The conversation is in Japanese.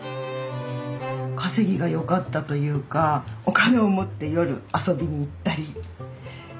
稼ぎが良かったというかお金を持って夜遊びに行ったりしてたっていう。